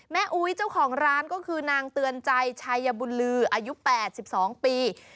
อุ๊ยเจ้าของร้านก็คือนางเตือนใจชายบุญลืออายุ๘๒ปี